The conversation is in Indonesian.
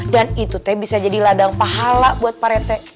dan itu kan bisa jadi ladang pahala buat parete